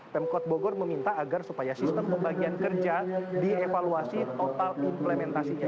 pemkot bogor meminta agar supaya sistem pembagian kerja dievaluasi total implementasinya